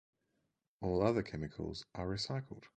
All other chemicals are recycled.